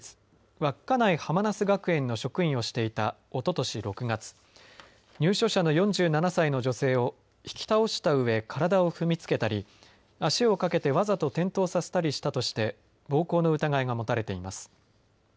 稚内はまなす学園の職員をしていたおととし６月入所者の４７歳の女性を引き倒したうえ体を踏みつけたり足をかけてわざと転倒させたりしたとして暴行の疑いが持たれています。